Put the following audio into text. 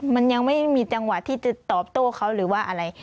มันยังไม่มีจังหวะที่จะตอบโต้เขาหรือว่าอะไร